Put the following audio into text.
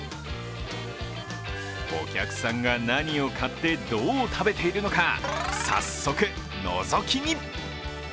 お客さんが何を買って、どう食べているのか、早速のぞき見。